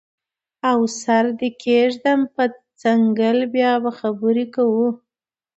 او سر دې کیږدم په څنګل بیا به خبرې کوو